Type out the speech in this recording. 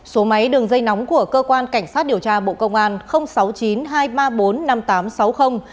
số máy đường dây nóng của cơ quan cảnh sát điều tra bộ công an sáu mươi chín hai trăm ba mươi bốn năm nghìn tám trăm sáu mươi